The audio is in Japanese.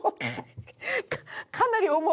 かなり重い。